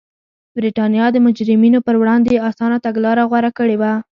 برېټانیا د مجرمینو پر وړاندې اسانه تګلاره غوره کړې وه.